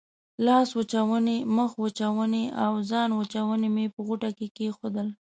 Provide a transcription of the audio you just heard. لاسوچونې، مخوچونې او ځانوچونی مې په غوټه کې کېښودل.